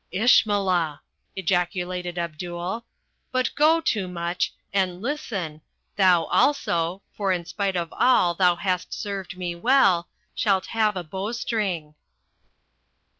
"Ishmillah!" ejaculated Abdul. "But go, Toomuch. And listen, thou also for in spite of all thou hast served me well shalt have a bowstring."